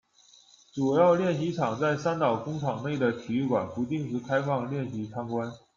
主要练习场在三岛工厂内的体育馆，不定时开放练习参观。